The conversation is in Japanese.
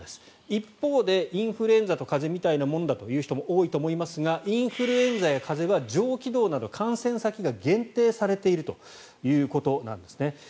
一方で、インフルエンザと風邪みたいなもんだという人も多いと思いますがインフルエンザや風邪は上気道など観戦先が限定されているということなんですね。